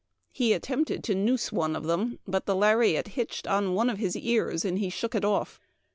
He attempted to noose one of them, but the lariat hitched on one of his ears and he shook it off.